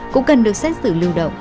cũng cần được xét xử lưu động